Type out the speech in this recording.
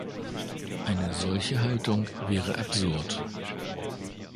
Eine solche Haltung wäre absurd.